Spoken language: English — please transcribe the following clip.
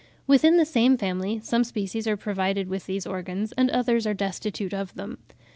Within the same family some species are provided with these organs, and others are destitute of them.